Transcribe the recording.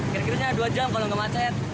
kira kiranya dua jam kalau nggak macet